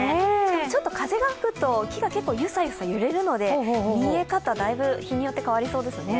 ちょっと風が吹くと、木がゆさゆさ揺れるので見え方だいぶ日によって変わりそうですね。